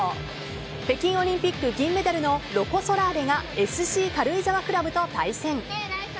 北京オリンピック銀メダルのロコ・ソラーレがＳＣ軽井沢クラブと対戦。